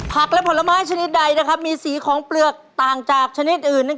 ผลและผลไม้ชนิดใดมีสีของเปลือกต่างจากชนิดอื่น